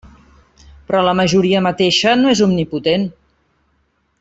Però la majoria mateixa no és omnipotent.